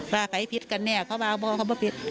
ว่าไปพิษกันเนี่ยเขาว่าพวกเขาไปพิษ